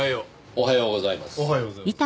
おはようございます。